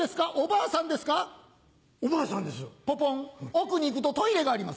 奥に行くとトイレがあります。